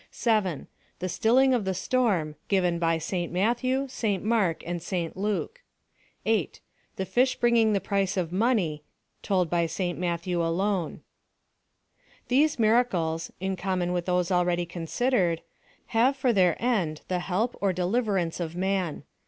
7. The stilling of the storm, given by St Matthew, St Mark, and St Luke. 8. The fish bringing the piece of money, told by St Matthew alone. These miracles, in common with those already considered, have for their end the help or deliverance of man.